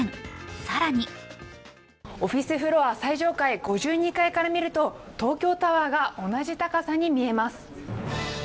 更にオフィスフロア最上階５２階から見ると東京タワーが同じ高さに見えます。